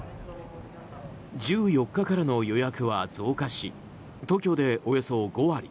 １４日からの予約は増加し東京でおよそ５割